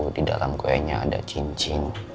di dalam kuenya ada cincin